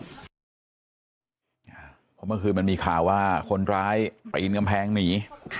เพราะเมื่อคืนมันมีข่าวว่าคนร้ายปีนกำแพงหนี